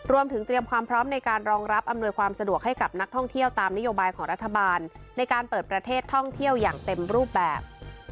เตรียมความพร้อมในการรองรับอำนวยความสะดวกให้กับนักท่องเที่ยวตามนโยบายของรัฐบาลในการเปิดประเทศท่องเที่ยวอย่างเต็มรูปแบบ